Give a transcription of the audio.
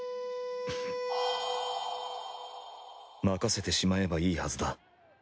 任せてしまえばいいはずだ。